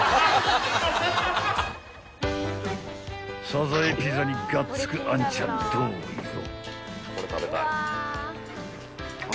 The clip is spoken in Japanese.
［さざえピザにがっつくあんちゃんどうよ？］